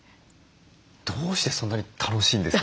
どうしてそんなに楽しいんですか？